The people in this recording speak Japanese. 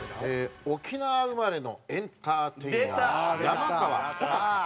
沖縄生まれのエンターテイナー山川穂高さん。